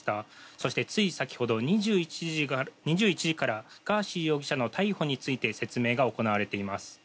そしてつい先ほど、２１時からガーシー容疑者の逮捕について説明が行われています。